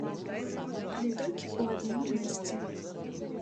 Але толькі ў адным месцы.